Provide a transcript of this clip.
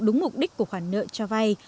đúng mục đích của khoản nợ cho vay